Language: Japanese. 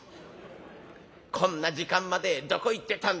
『こんな時間までどこ行ってたんだ』